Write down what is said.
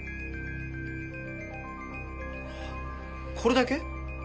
これだけ？